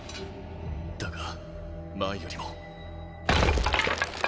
だが前よりも。